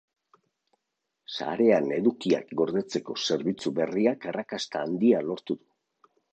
Sarean edukiak gordetzeko zerbitzu berriak arrakasta handia lortu du.